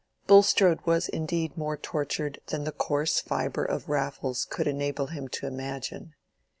Bulstrode was indeed more tortured than the coarse fibre of Raffles could enable him to imagine.